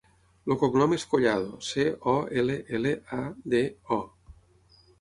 El cognom és Collado: ce, o, ela, ela, a, de, o.